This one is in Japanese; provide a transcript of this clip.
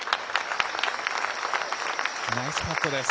ナイスパットです。